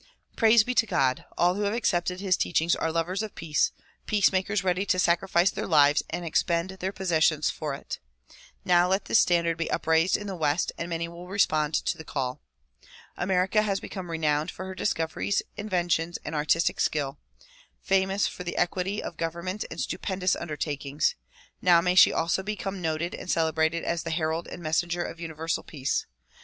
Praise be to God ! all who have accepted his teachings are lovers of peace, peacemakers ready to sacrifice their lives and expend their posses sions for it. Now let this standard be upraised in the west and many will respond to the call. America has become renowned for her discoveries, inventions and artistic skill, famous for equity of government and stupendous undertakings; now may she also be come noted and celebrated as the herald and messenger of Universal Peace.